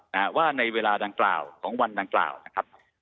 นะฮะว่าในเวลาดังกล่าวของวันดังกล่าวนะครับ